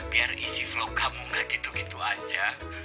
biar isi vlog kamu gak gitu gitu aja